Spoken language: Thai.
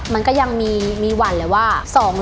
มันก็ยังมีหวั่นเลยว่า